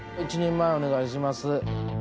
１人前お願いします。